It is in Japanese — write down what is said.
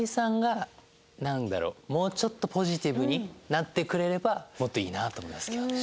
もうちょっとポジティブになってくれればもっといいなと思いますけどね。